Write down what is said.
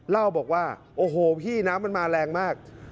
เล่าบอกว่าโอ้โหพี่น้ำมันมาแรงมาก